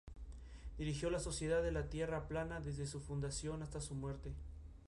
Dirigió la Sociedad de la Tierra Plana desde su fundación hasta su muerte.